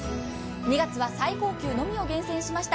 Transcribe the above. ２月は最高級のみを厳選しました。